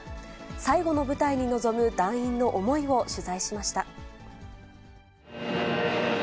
最後の舞台に臨む団員の思いを取材しました。